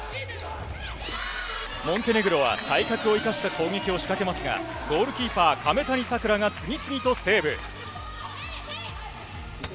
モンテネグロは体格を生かした攻撃を仕掛けますが、ゴールキーパー、亀谷さくらが次々とセーブ。